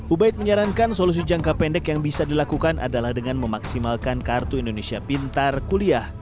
ubaid menyarankan solusi jangka pendek yang bisa dilakukan adalah dengan memaksimalkan kartu indonesia pintar kuliah